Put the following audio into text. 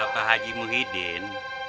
pak haji muhyiddin